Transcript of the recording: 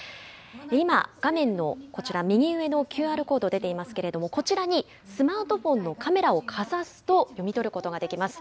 今、画面のこちら、右上のＱＲコード、出ていますけれども、こちらに、スマートフォンのカメラをかざすと、読み取ることができます。